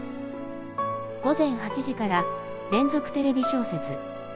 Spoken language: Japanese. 「午前８時から『連続テレビ小説』」。